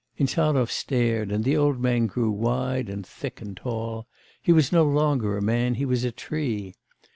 Insarov stared, and the old man grew wide and thick and tall, he was no longer a man, he was a tree....